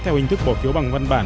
theo hình thức bỏ phá